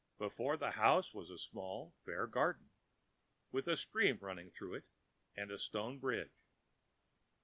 Before the house was a small fair garden, with a stream running through it and a stone bridge.